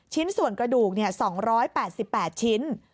ชิ้นส่วนกระดูก๒๘๘ชิ้น